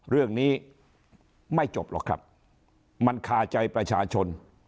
เรื่องนี้ไม่จบหรอกครับมันคาใจประชาชน